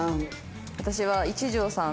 私は一条さん